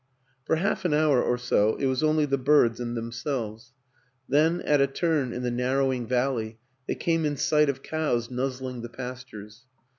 For half an hour or so it was only the birds and themselves; then at a turn in the narrowing valley they came in sight of cows nuzzling the pastures.